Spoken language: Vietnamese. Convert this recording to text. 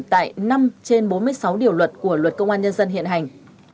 tại năm trên bốn mươi sáu điều luật của luật công an nhân dân hiện hành